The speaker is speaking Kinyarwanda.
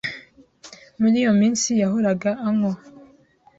Muri iyo minsi yahoraga anywa.